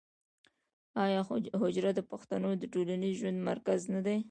آیا حجره د پښتنو د ټولنیز ژوند مرکز نه دی؟